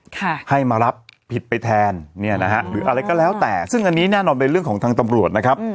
ค่ะให้มารับผิดไปแทนเนี่ยนะฮะหรืออะไรก็แล้วแต่ซึ่งอันนี้แน่นอนเป็นเรื่องของทางตำรวจนะครับ